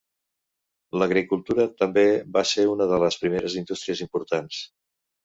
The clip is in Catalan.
L'agricultura també va ser una de les primeres indústries importants.